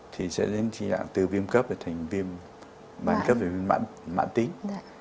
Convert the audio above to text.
thì sẽ đến tư viêm cấp và thành viêm bàn cấp và viêm mãn tính